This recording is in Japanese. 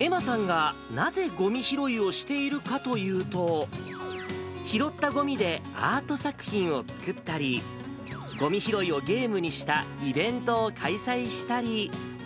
愛茉さんがなぜごみ拾いをしているかというと、拾ったごみでアート作品を作ったり、ごみ拾いをゲームにしたイベントを開催したり。